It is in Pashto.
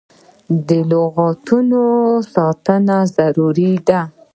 د لغتانو ساتنه ضروري ده.